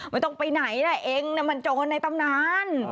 มันต้องไปไหนเนี่ยเองมันโจรในตำนาน